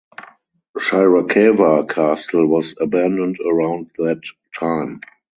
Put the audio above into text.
Shirakawa Castle was abandoned around that time.